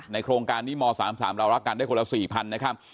โครงการนี้ม๓๓เรารักกันได้คนละ๔๐๐๐นะครับ